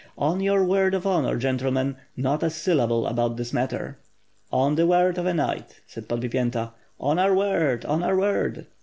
On your word of honor, gentlemen, not a syllable about this matter." "On the word of a knight," said Podbiyenta. "On our word! on our word!"